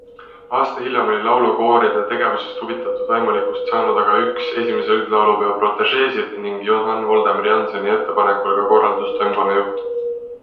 Aasta hiljem oli laulukooride tegevusest huvitatud vaimulikust saanud aga üks I üldlaulupeo protežeesid ning J. V. Jannseni ettepanekul ka korraldustoimkonna juht.